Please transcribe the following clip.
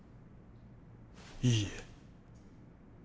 いいえ。